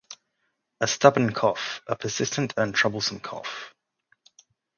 A stubborn cough - a persistent and troublesome cough.